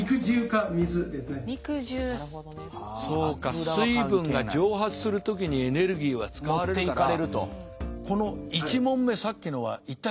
そうか水分が蒸発する時にエネルギーは使われるから。